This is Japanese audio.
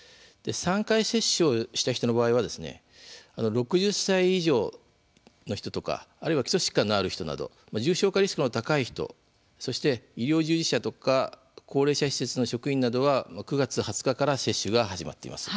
３回接種をした人の場合は６０歳以上の人とかあるいは基礎疾患のある人など重症化リスクの高い人そして医療従事者とか高齢者施設の職員などは９月２０日から接種が始まっています。